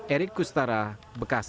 erik kustara bekasi